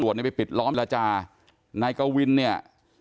นายกะวินเนี่ย